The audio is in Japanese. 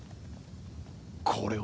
これは。